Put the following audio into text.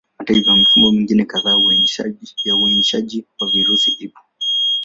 Hata hivyo, mifumo mingine kadhaa ya uainishaji wa virusi ipo.